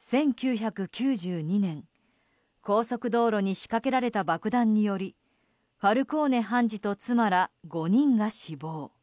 １９９２年、高速道路に仕掛けられた爆弾によりファルコーネ判事と妻ら５人が死亡。